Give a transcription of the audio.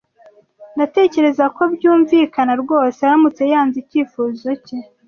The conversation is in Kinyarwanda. Ndatekereza ko byumvikana rwose aramutse yanze icyifuzo cye.